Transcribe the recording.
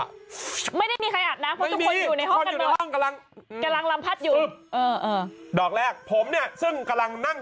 ลำพัดชวนไม่ได้มีใครอัดน้ำ